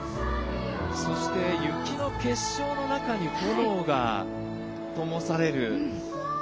そして雪の結晶の中に炎がともされる。